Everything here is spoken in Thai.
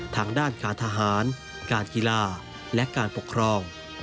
ทางด้านการทหารการกีฬาและการปกครอง